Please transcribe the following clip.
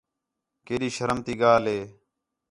کیݙی شرم تی ڳالھ ہے